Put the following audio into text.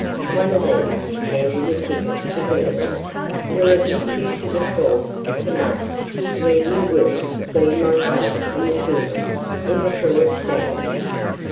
'One of these,' handing a ticket to Villiers, 'will admit you to the stalls tonight, where you will see myself and the children in "The Cruet Stand".